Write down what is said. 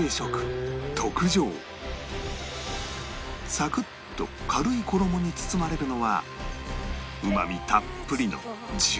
サクッと軽い衣に包まれるのはうまみたっぷりのジューシーな豚肉